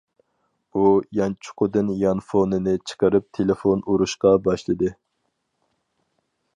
ئۇ يانچۇقىدىن يانفونىنى چىقىرىپ تېلېفون ئۇرۇشقا باشلىدى.